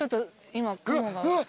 今雲が。